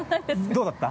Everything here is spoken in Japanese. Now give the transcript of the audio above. ◆どうだった？